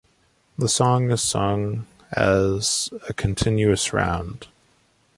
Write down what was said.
The song is sung as a continuous round.